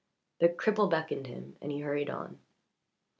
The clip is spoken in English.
The cripple beckoned him and he hurried on.